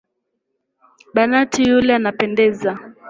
Banati yule anapendeza.